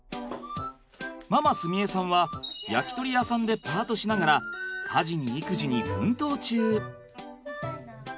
ママ澄栄さんは焼き鳥屋さんでパートしながら家事に育児に奮闘中。